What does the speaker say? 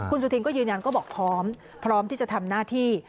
คุณสุธินก็ยืนยันก็บอกพร้อมพร้อมที่จะทำหน้าที่